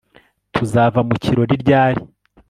Tuzava mu kirori ryari